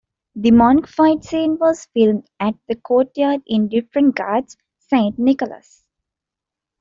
The monk fight scene was filmed at a courtyard in Dyffryn Gardens, Saint Nicholas.